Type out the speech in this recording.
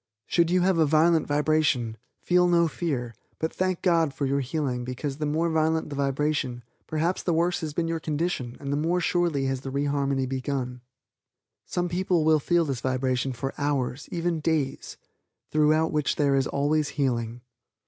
Should you have a violent vibration, feel no fear, but thank God for your healing because the more violent the vibration perhaps the worse has been your condition and the more surely has the re harmony begun. Some people will feel this vibration for hours, even days, throughout which there is always healing.